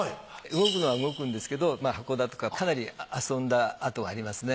動くのは動くんですけど箱だとかかなり遊んだ跡がありますね。